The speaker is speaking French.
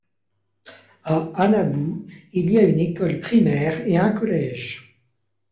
À Hannabou, il y a une école primaire et un collège.